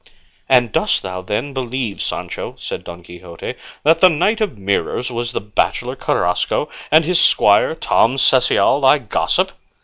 "And dost thou, then, believe, Sancho," said Don Quixote, "that the Knight of the Mirrors was the bachelor Carrasco, and his squire Tom Cecial thy gossip?"